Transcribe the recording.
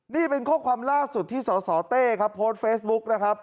นี่เป็นข้อความล่าสุดที่สสเต้ครับโพสต์เฟซบุ๊กนะครับ